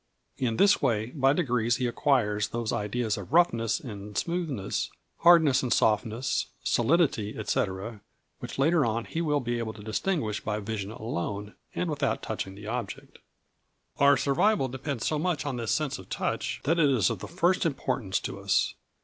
In this way by degrees he acquires those ideas of roughness and smoothness, hardness and softness, solidity, &c., which later on he will be able to distinguish by vision alone, and without touching the object. Our survival depends so much on this sense of touch, that it is of the first importance to us.